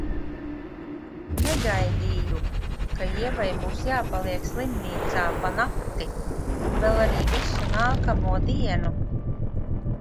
Negaidīju, ka Ievai būs jāpaliek slimnīcā pa nakti un vēl arī visu nākamo dienu.